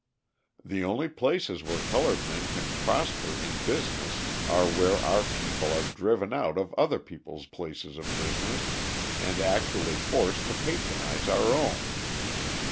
The only places where coloured men can prosper in business are where our people are driven out of other people's places of business and actually forced to patronise our own.